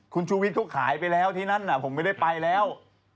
คุณชูวิทย์เขาขายไปแล้วที่นั่นอย่างนั้นผมไม่ได้ไปแล้ว